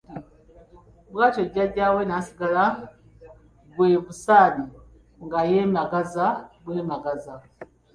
Bw'atyo Jjajjange n'asigala mu gwe "Busami" nga yeemagaza bwemagaza...!